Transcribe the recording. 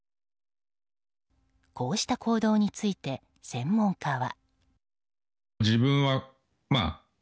こうした行動について専門家は。